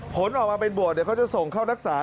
ผลออกมาเป็นบวกเดี๋ยวเขาจะส่งเข้ารักษา